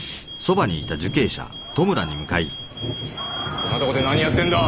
こんなとこで何やってんだ！